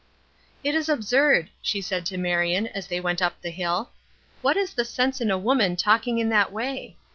"It is absurd," she said to Marion as they went up the hill. "What is the sense in a woman talking in that way?